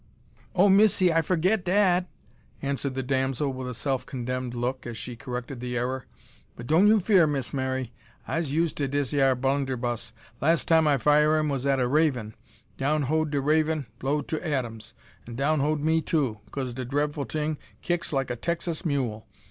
"O missy, I forgit dat," answered the damsel with a self condemned look, as she corrected the error. "But don' you fear, Missy Mary. I's use' to dis yar blunn'erbus. Last time I fire 'im was at a raven. Down hoed de raven, blow'd to atims, an' down hoed me too cause de drefful t'ing kicks like a Texas mule.